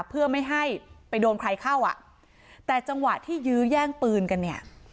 เพื่อไม่ให้ไปโดนใครเข้าอ่ะแต่จังหวะที่ยื้อแย่งปืนกันเนี่ย